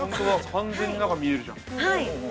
完全に中見えるじゃん。